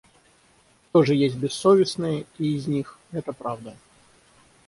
Тоже есть бессовестные и из них, это правда.